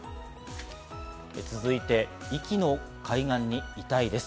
続いて、壱岐の海岸に遺体です。